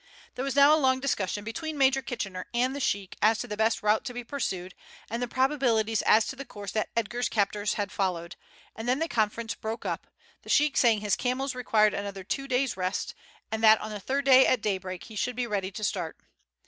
There was now a long discussion between Major Kitchener and the sheik as to the best route to be pursued, and the probabilities as to the course that Edgar's captors had followed, and then the conference broke up, the sheik saying his camels required another two days' rest, and that on the third day at daybreak he should be ready to start.